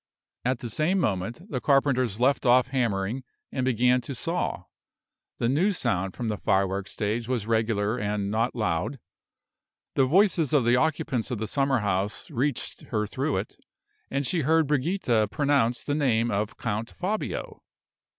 At the same moment the carpenters left off hammering and began to saw. The new sound from the firework stage was regular and not loud. The voices of the occupants of the summer house reached her through it, and she heard Brigida pronounce the name of Count Fabio.